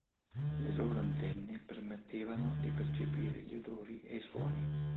Le loro antenne permettevano di percepire gli odori e i suoni.